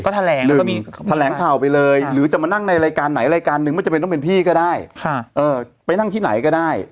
แถลงหรือก็มีแถลงข่าวไปเลยหรือจะมานั่งในรายการไหนรายการนึงไม่จำเป็นต้องเป็นพี่ก็ได้ไปนั่งที่ไหนก็ได้